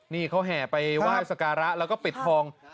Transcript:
นี่เขาแห่ไปไหว้สการะแล้วก็ปิดทอง